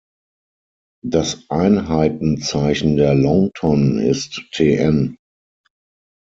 Das Einheitenzeichen der Long ton ist tn.